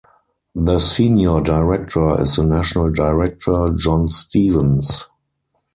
The senior director is the National Director, John Stevens.